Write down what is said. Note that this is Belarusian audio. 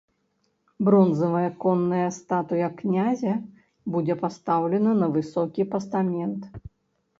Бронзавая конная статуя князя будзе пастаўлена на высокі пастамент.